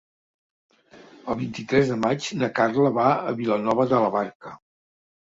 El vint-i-tres de maig na Carla va a Vilanova de la Barca.